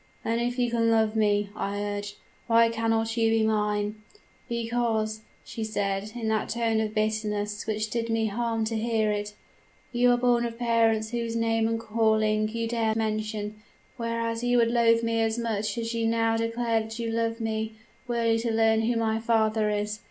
"'Then, if you can love me,' I urged, 'why cannot you be mine?' "'Because,' she replied, in that tone of bitterness which did me harm to hear it, 'you are born of parents whose name and whose calling you dare mention; whereas you would loathe me as much as you now declare that you love me, were you to learn who my father is!